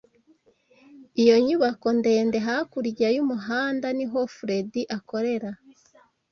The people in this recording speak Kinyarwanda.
Iyo nyubako ndende hakurya y'umuhanda niho Fredy akorera.